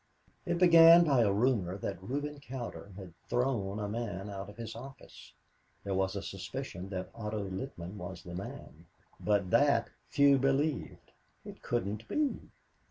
It began by a rumor that Reuben Cowder had thrown a man out of his office! There was a suspicion that Otto Littman was the man, but that few believed "It couldn't be!"